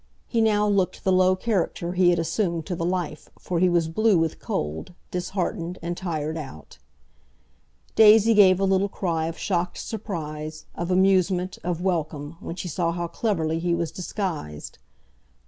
He now looked the low character he had assumed to the life, for he was blue with cold, disheartened, and tired out. Daisy gave a little cry of shocked surprise, of amusement, of welcome, when she saw how cleverly he was disguised.